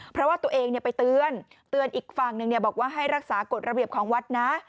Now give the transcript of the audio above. เพราะว่าตัวเองไปเตือนเตือนอีกฝั่งหนึ่งบอกว่าให้รักษากฎระเบียบของวัดนะ